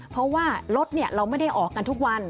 เพราะว่ารถเราไม่ได้ออกกันทุกวัน